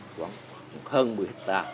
vẫn hơn một mươi tạ